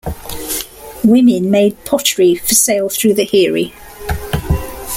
Women made pottery for sale through the "hiri".